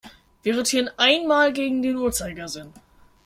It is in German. Wir rotieren einmal gegen den Uhrzeigersinn.